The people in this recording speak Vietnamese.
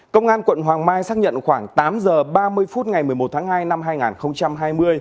công an quận hoàng mai xác nhận khoảng tám giờ ba mươi phút ngày một mươi một tháng hai năm hai nghìn hai mươi